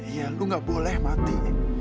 iya lu gak boleh mati